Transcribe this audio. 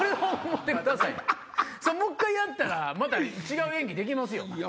もっかいやったら違う演技できますよ。